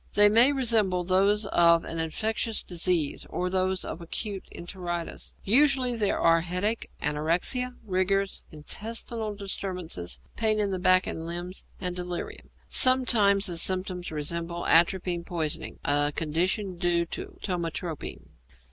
They may resemble those of an infectious disease or those of acute enteritis. Usually there are headache, anorexia, rigors, intestinal disturbance, pains in the back and limbs, and delirium. Sometimes the symptoms resemble atropine poisoning, a condition due to ptomatropine.